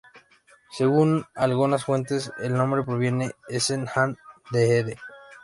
Según algunas fuentes el nombre proviene "essen aan de Ede".